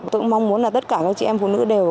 tôi cũng mong muốn là tất cả các chị em phụ nữ đều